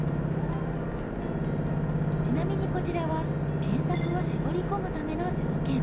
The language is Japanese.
ちなみにこちらは検索を絞り込むための条件。